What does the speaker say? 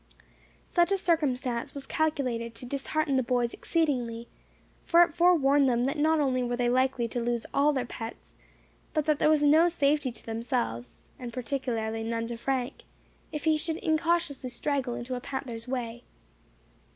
Such a circumstance was calculated to dishearten the boys exceedingly; for it forewarned them that not only were they likely to lose all their pets, but that there was no safety to themselves, and particularly none to Frank, if he should incautiously straggle into a panther's way.